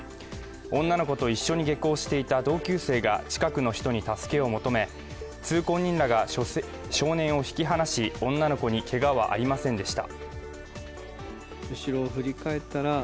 女の子と一緒に下校していた同級生が近くの人に助けを求め通行人らが少年を引き離し女の子にけがはありませんでした。